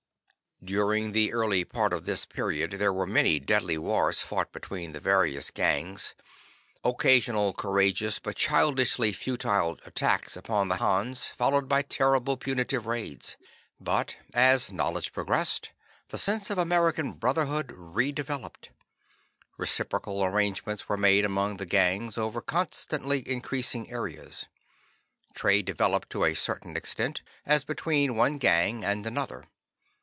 During the earlier part of this period, there were many deadly wars fought between the various gangs, and occasional courageous but childishly futile attacks upon the Hans, followed by terribly punitive raids. But as knowledge progressed, the sense of American brotherhood redeveloped. Reciprocal arrangements were made among the gangs over constantly increasing areas. Trade developed to a certain extent, as between one gang and another.